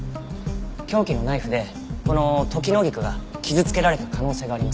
凶器のナイフでこのトキノギクが傷つけられた可能性があります。